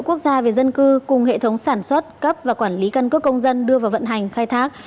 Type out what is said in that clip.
quốc gia về dân cư cùng hệ thống sản xuất cấp và quản lý căn cước công dân đưa vào vận hành khai thác